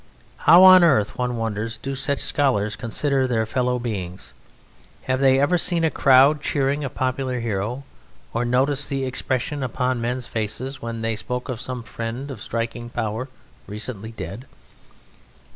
How on earth (one wonders) do such scholars consider their fellow beings! Have they ever seen a crowd cheering a popular hero, or noticed the expression upon men's faces when they spoke of some friend of striking power recently dead?